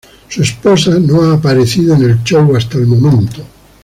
Su esposa no ha aparecido en el show hasta el momento.